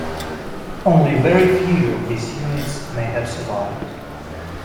Only very few of these units may have survived.